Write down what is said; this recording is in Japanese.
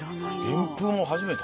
でんぷんを始めた？